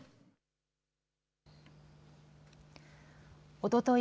おととい